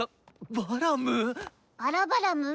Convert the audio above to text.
バラバラム？